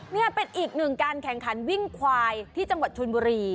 นี่เป็นอีกหนึ่งการแข่งขันวิ่งควายที่จังหวัดชนบุรี